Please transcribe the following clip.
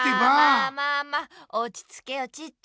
まあまあまあおちつけよチッチ。